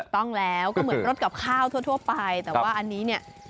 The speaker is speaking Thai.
ต้องแล้วก็เหมือนรสกับข้าวทั่วไปแต่ว่าอันนี้เนี่ย